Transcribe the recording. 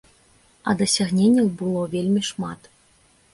А дасягненняў было вельмі шмат.